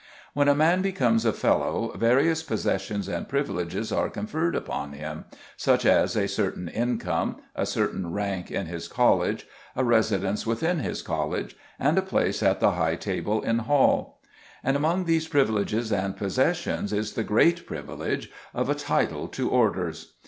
When a man becomes a fellow various possessions and privileges are conferred upon him, such as a certain income, a certain rank in his college, a residence within his college, and a place at the high table in hall; and among these privileges and possessions is the great privilege of a title to orders.